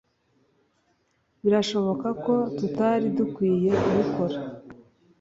Birashoboka ko tutari dukwiye kubikora.